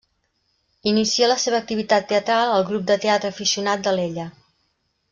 Inicia la seva activitat teatral al grup de teatre aficionat d'Alella.